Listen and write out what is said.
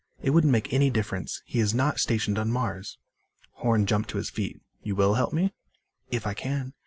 "It wouldn't make any difference. He is not stationed on Mars." Horn jumped to his feet. "You will help me?" "If I can."